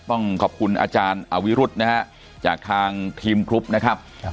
ต้องขอบคุณอาจารย์อวิรุธนะฮะจากทางทีมกรุ๊ปนะครับ